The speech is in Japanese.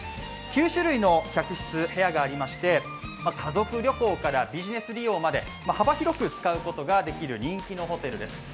９種類の客室、部屋がありまして家族旅行からビジネス利用まで幅広く使うことができる人気のホテルです。